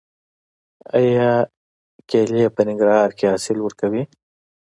آیا کیلې په ننګرهار کې حاصل ورکوي؟